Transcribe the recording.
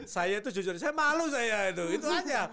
saya itu jujur saya malu saya itu itu aja